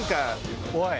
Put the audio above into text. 怖い。